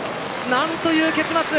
なんという結末！